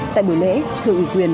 tại buổi lễ thượng ủy quyền